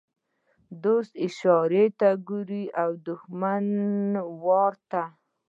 ـ دوست اشارې ته ګوري او دښمن وارې ته.